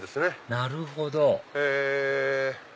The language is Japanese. なるほどへぇ。